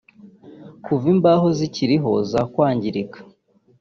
Kuva imbaho zikiriho zakwangirika